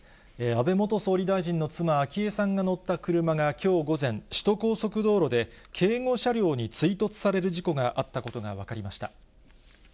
安倍元総理大臣の妻、昭恵さんが乗った車が、きょう午前、首都高速道路で、警護車両に追突される事故があったことが分かりました。